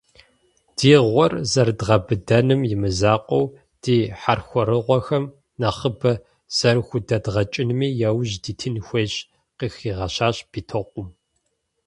«Ди гъуэр зэрыдгъэбыдэным имызакъуэу, ди хьэрхуэрэгъухэм нэхъыбэ зэрахудэдгъэкӀынми яужь дитын хуейщ», - къыхигъэщащ Битокъум.